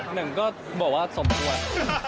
หนึ่งก็บอกว่าสมควร